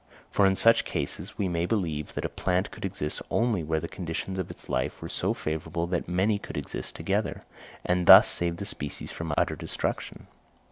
For in such cases, we may believe, that a plant could exist only where the conditions of its life were so favourable that many could exist together, and thus save the species from utter destruction.